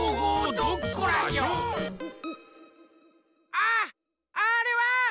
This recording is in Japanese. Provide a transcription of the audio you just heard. あっあれは！